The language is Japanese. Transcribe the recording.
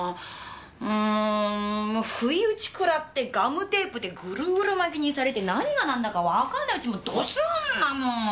不意打ち食らってガムテープでぐるぐる巻きにされて何が何だかわかんないうちにドスーンだもん！